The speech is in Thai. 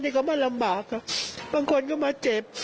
แต่ก็มาลำบากอะบางคนก็มาเจ็บ